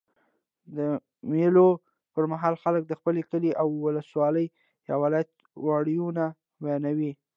د مېلو پر مهال خلک د خپل کلي، اولسوالۍ یا ولایت ویاړونه بیانوي.